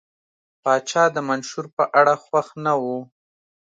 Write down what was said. پاچا د منشور په اړه خوښ نه و.